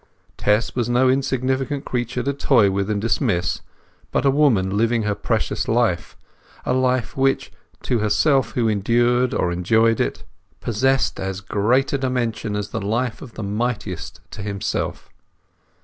Tess was no insignificant creature to toy with and dismiss; but a woman living her precious life—a life which, to herself who endured or enjoyed it, possessed as great a dimension as the life of the mightiest to himself.